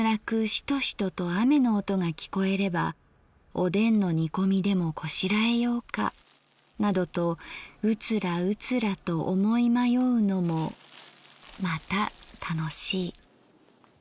シトシトと雨の音がきこえればおでんの煮込みでもこしらえようかなどとうつらうつらと思い迷うのもまた楽しい」。